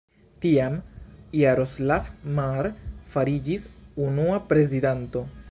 Tiam, Jaroslav Mar fariĝis unua prezidanto.